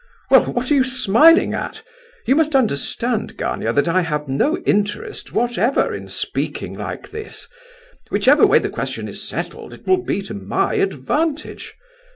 Well, what are you smiling at? You must understand, Gania, that I have no interest whatever in speaking like this. Whichever way the question is settled, it will be to my advantage.